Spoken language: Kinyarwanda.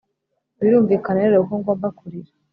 birumvikana rero ko ngomba kurira. '